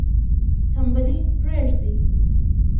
تنبلي پریږدئ.